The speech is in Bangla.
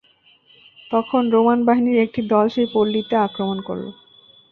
তখন রোমান বাহিনীর একটি দল সেই পল্লীতে আক্রমণ করল।